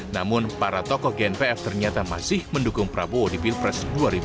namun para tokoh gnpf ternyata masih mendukung prabowo di pilpres dua ribu dua puluh